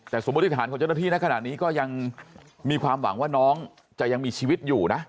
แต่สมมุติฐานของเจ้าหน้าที่ในขณะนี้ก็ยังมีความหวังว่าน้องจะยังมีชีวิตอยู่นะ